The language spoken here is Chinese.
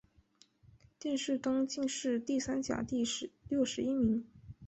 殿试登进士第三甲第六十一名。